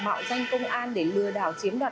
mạo danh công an để lừa đảo chiếm đoạt